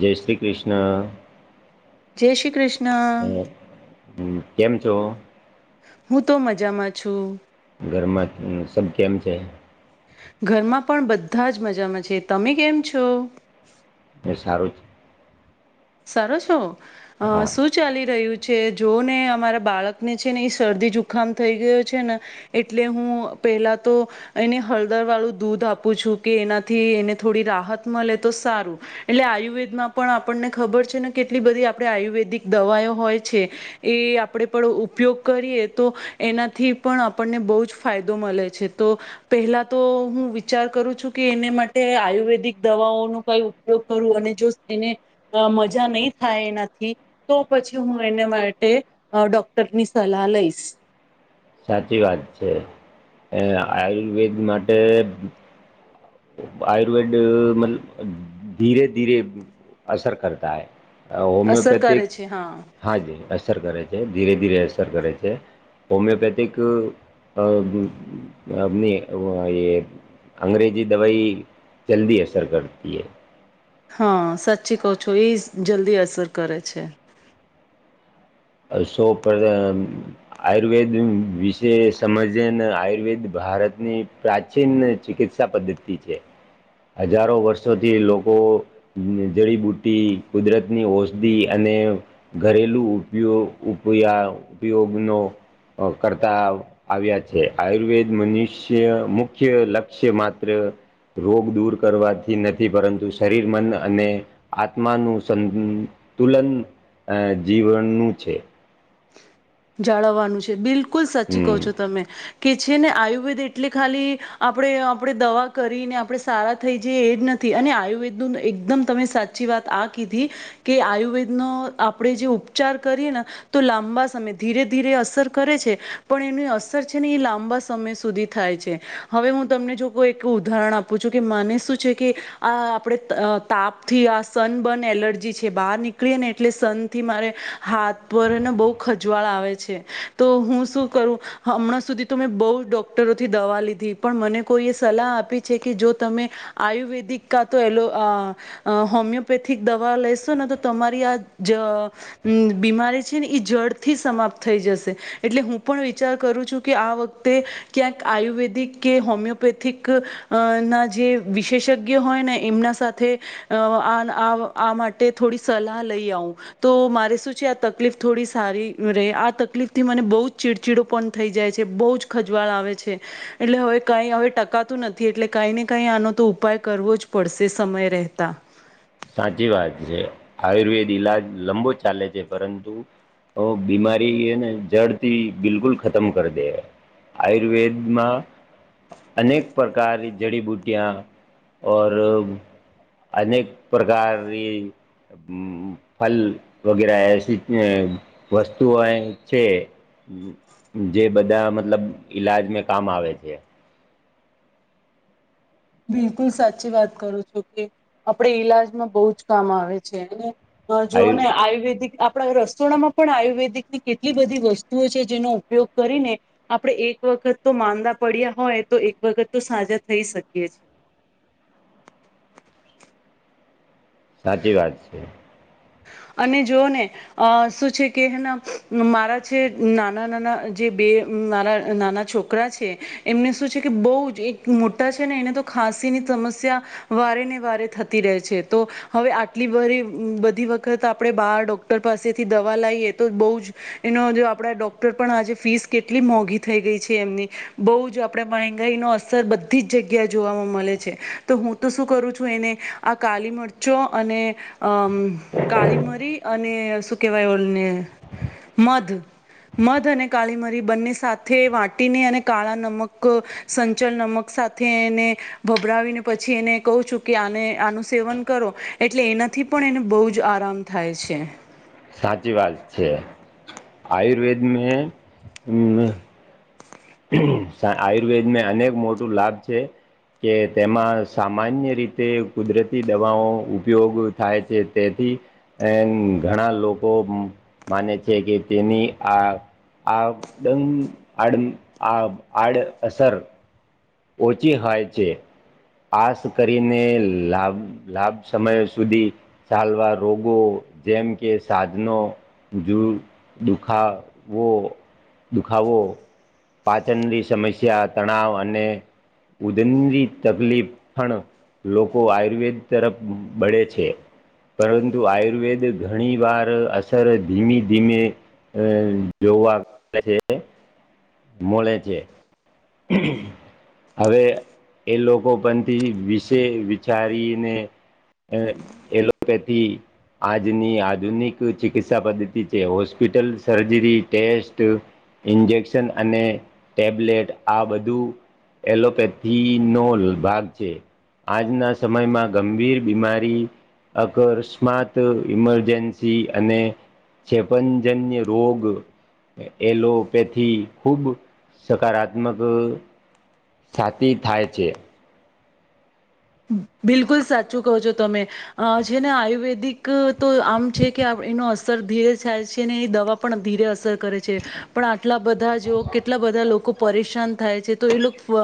જય શ્રી કૃષ્ણા જય શ્રી ક્રિષ્ના હ હ કેમ છો? હું તો મજામાં છું? ઘરમાં સબ કેમ છે. ઘરમાં પણ બધા જ મજામાં છે તમે કેમ છો? એ સારું છે. સરો છો શું? હા શું ચાલી રહ્યું છે જો ને અમારા બાળકને છે ને એ શરદી જુખામ થઈ ગયો છે ને એટલે હું પેલા તો એને હળદર વાળું દૂધ આપું છું કે એનાથી એને થોડી રાહત મળે તો સારું એલે આયુર્વેદમાં પણ આપણને ખબર છે ને કેટલી બધી આપે આયુર્વેદિક દવાઓ હોય છે એ આપણે પણ ઉપયોગ કરીએ તો એનાથી પણ આપણને બહુ જ ફાયદો મલે છે તો પહેલા તો હું વિચાર કરું છું કે એને માટે આયુર્વેદિક દવાઓનું કઈ ઉપયોગ કરું અને જો એને મજા નહી થાય એનાથી તો પછી હું એને માટે ડોક્ટરની સલાહ લઈશ સાચી વાત છે, અ આયુર્વેદ માટે. આયુર્વેદ માં ધીરે ધીરે અસર કરતા હૈ. અસર હોમિયોપેથિક. કરે છે હા, જ અસર કરે છે, ધીરે ધીરે અસર કરે છે. હોમેંપેથિક [unintelligible] અ અંગ્રેજ એ દવાઈ જલ્દી અસર કરતી હે. હા, સાચી કહો છો, એ જ જલ્દી અસર કરે છે. [unintelligible] શો પર આયુર્વેદ વિશે સમજેને, આયુર્વેદ ભારતની. પ્રાચીન ચિકિત્સા પદ્ધતિ છે, હજારો વર્ષોથી લોકો જડીબુટી, કુદરતની ઔષધિ અને ઘરેલું. ઉપયો, ઉપયાવ ઉપયોગનો અ કરતાં. આવ્યા છે, આયુર્વેદ મનુષ્ય મુખ્ય લક્ષ્ય માત્ર. રોગ દૂર કરવાથી નથી, પરંતુ શરીર, મન અને આત્માનું સંતુલન જીવનનું છે. જાળવવાનું છે, બિલકુલ, સાચી કહો હમ છો તમે. કે છે ને, આયુર્વેદ એટલે ખાલી આપણે આપણે દવા કરીને, આપણે સારા થઈ જઈએ એ જ નથી. થી અને આયુર્વેદનું, એકદમ, તમે સાચી વાત આ કીધી. કે આયુર્વેદનો આપણેે જે ઉપચાર કરીએ ને, તો લાંબા સમય ધીરે ધીરે અસર કરે છે, પણ એની અસર છે ને, એ લાંબા સમય સુધી થાય છે. હવે હું તમને જો કોઈ એક ઉદાહરણ આપું છું કે, માને શું છે કે, આ આપણે તાપથી આ સન બન એલર્જી છે, બહાર નીકળીએ ને, એટલે સનથી મારે. હાથ પર ને બહુ ખજવાળ આવે છે, તો હું શું કરું? હમણાં સુધી તો મેં બહુ ડોક્ટરોથી દવા લીધી, પણ મને કોઈ એ સલાહ આપી છે કે, જો તમે આયુર્વેદિક કા તો એલો અ હોમિયોપેથિક દવા લેશો ને, તો તમારી આ જ હમ, બીમારી છે ને, એ જડ. થી સમાપ્ત થઈ જશે, એટલે હું પણ વિચાર કરું છું કે, આ વખતે. ક્યાંક આયુર્વેદિક કે, હોમિયોપેથિક. અ ના જે વિશેષજ્ઞ હોય ને, એમના સાથે. અ આમાટે થોડી સલાહ લઈ આવું. તો મારે શું છે, આ તકલીફ થોડી સારી. રહે, આ તકલીફથી મને બહુ જ ચીડચીડો પણ થઈ જાય છે, બહુ જ ખજવાળ આવે છે. એટલે હવે કઈ હવે ટકાતું નથી, એટલે કઈ ને કઈ આનો તો ઉપાય કરવો જ પડશે સમય રહેતા. સાચી વાત છે, આયુર્વેદ ઈલાજ લંબો ચાલે છે, પરંતુ ઓ બીમારી એને જડથી બિલકુલ ખતમ કરી દે. આયુર્વેદમાં. અનેક પ્રકારની જડીબુટિયા ઔર અનેક. પ્રકાર ફલ [unintelligible] વગેરા વસ્તુઓ છે. જે બધા મતલબ ઈલાજ મેં કામ આવે છે. બિલકુલ, સાચી વાત કરું છો કે, આપડે ઈલાજમાં બહુ જ કામ આવે છે, અને જોઓ આયુ ને, આયુર્વેદિક આપ આપણા રસોડામાં પણ આયુર્વેદિકની કેટલી બધી વસ્તુઓ છે, જેનો ઉપયોગ કરીને આપડે એક વખત તો માંદા પડ્યા હોય તો, એક વખત તો સાજા થઈ શકીએ છીએ. સાચી વાત છે. અને જો ને! અ શું છે કે, હેન મારા છે. નાના-નાના જે, બે મારા નાના છોકરા છોકરા છે, એમને શું છે કે બહુ જ, એક મોટા છે ને, એને તો ખાંસીની સમસ્યા. વારે ને વારે થતી રહે છે, તો હવે આટલી બરી બધી વ વખત આપણે બહાર ડોક્ટર પાસેથી દવા લાઈએ તો બહુ જ એનો જો આપડે ડોક્ટર પણ આજે ફીસ કેટલી મોંઘી થઈ ગઈ છે એમની. બહુ જ આપડે મગાઈ ન હોત અસર બધી જ જગ્યા જોવામાં મળે છે. તો હું તો શું કરું છું, એને આ કાલી મરચો અને અમ કાળી મરી અને શું કેહેવાય ઓલને મધ મધ અને કાળી મરી બંને સાથે વાટીને અને કાળા નમક સંચલ નમક સાથે એને ભભરાવીને પછી એને કહ છું કે, આને આનું સેવન કરો એટલે એનાથી પણ એને બહુ જ જ આરામ થાય છે. સાચી વાત છે. આયુર્વેદ ને આયુર્વેદને અનેક મોટું લાભ છે. કે તેમાં સામાન્ય રીતે કુદરતી દવાઓ ઉપયોગ થાય છે. તેથી એન ઘણા લોકો માને છે કે, તેની આ આ ડંગ આડમ હાડ અસર ઓછી હાય છે. આસ કરીને લાભ, લાભ સમય સુધી. ચાલવા રોગો. જેમ કે, સાધનો. જુગ દુખા વો, દુખાવાવો. પાચનની સમસ્યા, તણાવ અને ઉદનની તકલીફ પણ લોકો આયુર્વેદ તરફ બળે છે. પરંતુ આયુર્વેદ ઘણી વાર અસર ધીમી-ધીમે અ જોવા મળ છે. મળે છે. [unintelligible] હવે એ લોકો પણથી, વિશે વિચારીને અલે એલોપેથી આજની આધુનિક ચિકિત્સા પદ્ધતિ છે. હોસ્પિટલ, સર્જરી, ટેસ્ટ ઇન્જેક્શન અને ટેબ્લેટ આ બધું. એલોપેથીનો ભાગ છે. આજના સમયમાં ગંભીર બીમારી અકસ્માત, ઇમરજન્સી અને ક્ષેપંજન્યરોગ એલોપેથી ખુબ સકારાત્મક સાતી થાય છે. બિલકુલ સાચું કહો છો તમે. અ છે ને આયુર્વેદિક તો આમ છે કે, એનો અસર ધીરે થાય છે ને. એ દવા પણ ધીરે અસર કરે છે. પણ આટલા બધા જો, કેટલા બધા લોકો પરેશાન થાય છે. તો એ લોકો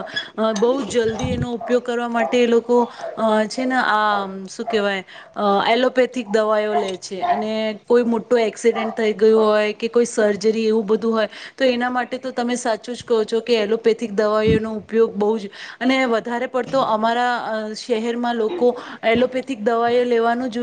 બહુ જલ્દી એનો ઉપયોગ કરવા માટે તે લોકો, અ છે ને આ શું કેહેવાય, અ એલોપેથિક દવાઇઓ લે છે. અને કોઈ મોટો એક્સિડેન્ટ થઈ ગયું હોય. કે કોઈ સર્જરી એવું બધું હોય. તો એના માટે તો તમે સાચું જ કહો છો કે, એલોપેથિક દવાઈઓનો ઉપયોગ બહુ જ અને વધારે પડતો અમારા શહેરમાં લોકો એલોપેથિક દવાઓ લેવાનું જ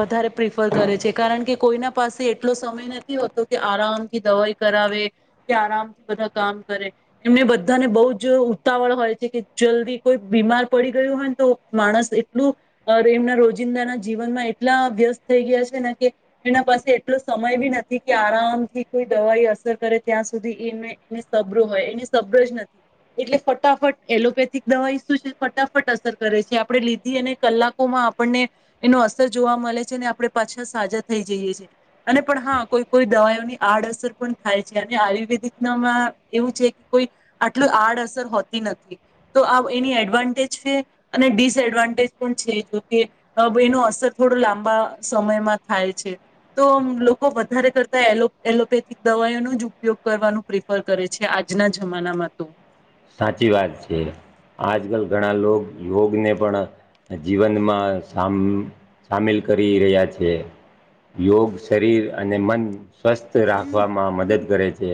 વધારે પ્રિફર કરે છે. કારણ કે, કોઈના પાસે એટલો સમય નથી હોતો કે આરામથી દવાઈ કરાવે. કે આરામથી બધા કામ કરે. એમને બધાને બહુ જ ઉતાવળ હોય છે કે, જલ્દી કોઈ બીમાર પડી ગયું હોય ને તો માણસ એટલું અ એમના રોજિંદા ના જીવનમાં એટલા વ્યસ્ત થઈ ગ્યા છે ને કે એના પાસે એટલો સમય બી નથી કે આરામ થી કોઈ દવાઈ અસર કરે ત્યાં સુધી એમેં એ સબ્ર હોય એને સબ્ર જ નથી એટલે ફટાફટ એલોપેથીક દવાઈ શું છે ફટાફટ અસર કરે છે આપણે લીધી અને કલાકોમાં આપણને એનો અસર જોવા મલે છે ને, આપડે પાછા સાજા થઈ જઈએ છીએ. અને પણ હા, કોઈ કોઈ દવાઓની આડઅસર પણ થાય છે, અને આયુર્વેદિકમાં એવું છે કે, કોઈ આટલું આડઅસર હોતી નથી, તો આ એની એડવાન્ટેજ છે. અને ડિસએડવાન્ટેજ પણ છે, જોકે અ એનો અસર થોડું લાંબા સમયમાં થાય છે. તો લોકો વધારે કરતા એલોપેથિક દવાઓ નો જ ઉપયોગ કરવાનું પ્રિફર કરે છે, આજના જમાનામાં તો. સાચી વાત છે. આજકાલ ઘણા લોકો યોગને, પણ જીવનમાં સામ સામેલ કરી રહ્યા છીએ. યોગ, શરીર અને મન સ્વસ્થ રાખવામાં મદદ કરે છે.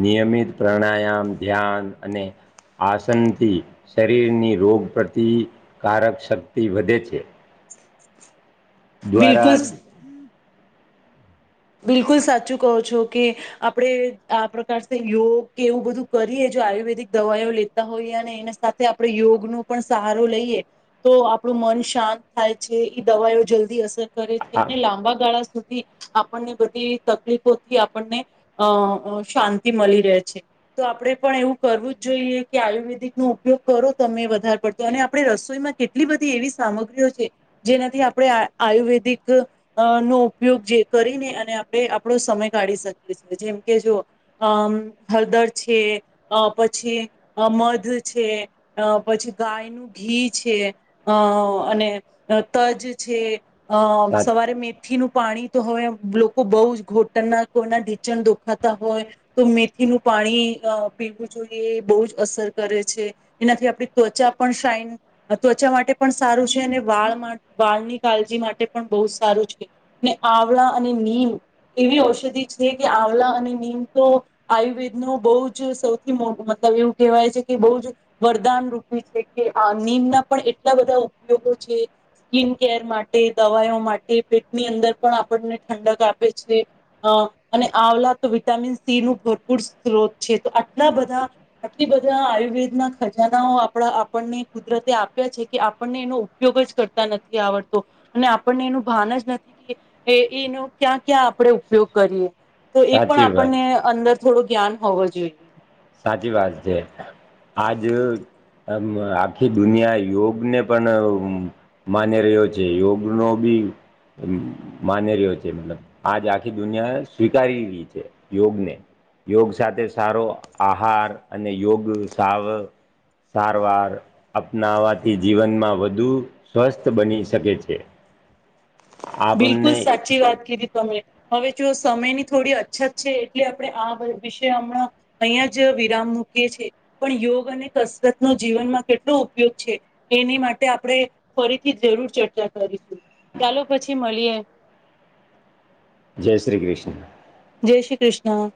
નિયમિત પ્રણાયામ, ધ્યાન અને આસનથી શરીરની રોગ પ્રતિકારક શક્તિ વધે છે. બિલકુલ દ્વારા. બિલકુલ, સાચું કહો છો કે. આપડે આ પ્રકારસીલ યોગ કે, એવું બધું કરીએ, જો આયુર્વેદિક દવાઓ લે તા હોઈએ, અને એના સાથે આપણે યોગ નો પણ સહારો લઈએ. તો આપણું મન શાંત થાય છે, એ દવાઓ જલ્દી અસર કરે છે, આ અને લાંબા ગાળા સુધી આપણને બધી તકલીફોથી આપણને અ શાંતિ મળી રહે છે. તો આપડે પણ એવું કરવું જ જોઈએ કે, આયુર્વેદિક નો ઉપયોગ કરો, તમે વધારે પડતો અને આપણે રસોઈમાં કેટલી બધી એવી સામગ્રીઓ છે. જેનાથી આપણે આ આયુર્વેદિક નો ઉપયોગ જે કરીને, અને આપડે આપણો સમય કાઢી શકીએ છીએ, જેમ કે જો અમ હળદર છે, અ પછી મધ છે. અ પછી ગાયનું ઘી છે, અ અને તજ છે. અ સાચ સવારે મેથીનું પાણી. તો હવે લોકો બહુ જ ઘોટરના કોઈના ઢીચણ દોખાતા હોય. તો મેથીનું પાણી અ પીવું જોઈએ બહુ જ અસર કરે છે. એનાથી આપણી ત્વચા પણ શાઇન. અ ત્વચા માટે પણ સારું છે, અને વાળ માં વાળની કાળજી માટે પણ બહુ સારું છે. આવળા, અને નીમ એવી ઔષધિ છે કે, આવલા અને નીમ તો આયુર્વેદ નું બહુ જ સૌથી મોટું મતલબ એવું કહેવાય છે કે, બહું જ વરદાન રૂપી છે કે, આ નીમના પણ એટલા બધા ઉપયોગો છે. સ્કીન કેર માટે દવાયો માટે પેટની અંદર પણ આપણને ઠંડક આપે છે. અ અને આવલા તો વિટામિન સી નું ભરપૂર સ્ત્રોત છે, તો આટલા બધા આટલી બધા આયુર્વેદના ખજાનાઓ આપડા આપણને કુદરતે આપ્યા છે કે, આપણને ઉ પયોગ જ કરતા નથી આવડતો, અને આપણને એનું ભાન જ નથી કે એ એનો ક્યાં ક્યાં આપણે ઉપયોગ કરીએ તો, એ પણ સાચી વાત આપણને છે. અંદર થોડું જ્ઞાન હોવો જોઈએ. સાચી વાત છે, આજ અમ આખી દુનિયા યોગ ને, પણ અ માની રહ્યો છે, યોગ નો બી અમ માની રહ્યો છે, મતલબ, આજ આખી દુનિયા સ્વીકારી છે યોગને. યોગ સાથે સારો આહાર અને યોગ સાવ સારવાર અપનાવાથી જીવનમાં વધુ સ્વસ્થ બની શકે છે. [unintelligible] બિલકુલ, આપણને સાચી વાત કીધી તમે. હવે જો સમયની થોડી અછત છે, એટલે આપણે આ વિશે હમણાં અહીં જ વિરામ મૂકીએ છીએ, પણ યોગ અને કસરત ન જીવનમાં કેટલો ઉપયોગ છે. એની માટે આપણે ફરીથી જરૂર ચર્ચા કરીશું, ચાલો, પછી મળીએ? જય શ્રી કૃષ્ણ. જય શ્રી કૃષ્ણ.